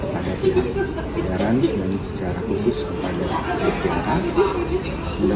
saya dihargai dan secara khusus kepada ketua bidang hukum pembelaan